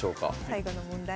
最後の問題